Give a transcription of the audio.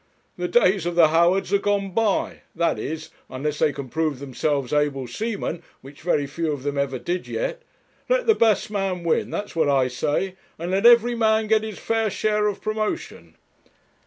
The days of the Howards are gone by; that is, unless they can prove themselves able seamen, which very few of them ever did yet. Let the best man win; that's what I say; and let every man get his fair share of promotion.'